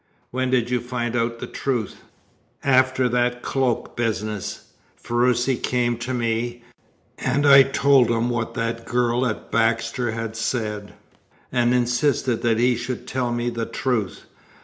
"When did you find out the truth?" "After that cloak business. Ferruci came to me, and I told him what that girl at Baxter's had said, and insisted that he should tell me the truth.